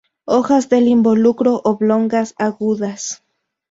Hojas del involucro oblongas, agudas.